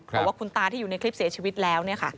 บอกว่าคุณตาที่อยู่ในคลิปเสียชีวิตแล้ว